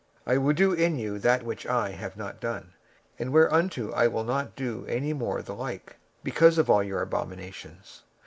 26:005:009 And I will do in thee that which I have not done, and whereunto I will not do any more the like, because of all thine abominations.